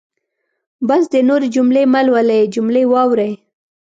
بس دی نورې جملې مهلولئ جملې واورئ.